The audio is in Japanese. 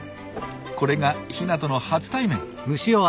これがヒナとの初対面。